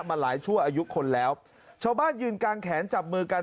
มาหลายชั่วอายุคนแล้วชาวบ้านยืนกางแขนจับมือกัน